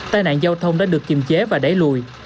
tai nạn giao thông đã được kiềm chế và đẩy lùi